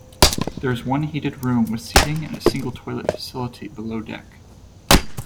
There is one heated room with seating and a single toilet facility below deck.